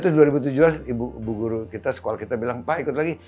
terus dua ribu tujuh belas ibu guru kita sekolah kita bilang pak ikut lagi